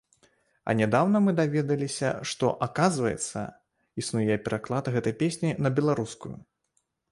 А нядаўна мы даведаліся, што, аказваецца, існуе пераклад гэтай песні на беларускую.